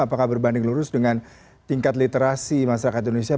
apakah berbanding lurus dengan tingkat literasi masyarakat indonesia